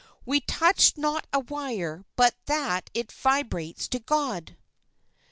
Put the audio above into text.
"We touch not a wire but that it vibrates to God."